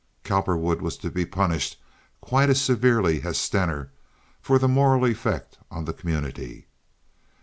Cowperwood was to be punished quite as severely as Stener for the moral effect on the community.